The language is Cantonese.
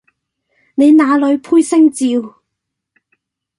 你那裡配姓趙